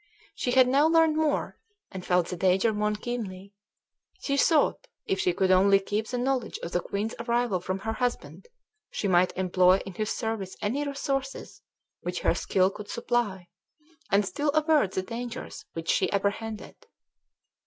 She had now learned more, and felt the danger more keenly. She thought, if she could only keep the knowledge of the queen's arrival from her husband, she might employ in his service any resources which her skill could supply, and still avert the dangers which she apprehended.